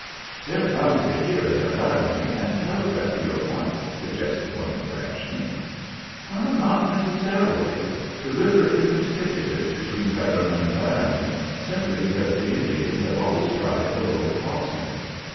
"They're bound to hear it at Laramie and telegraph you at once," suggested one of the ranchmen. "Not necessarily. The river isn't picketed between Fetterman and Laramie, simply because the Indians have always tried the lower crossings.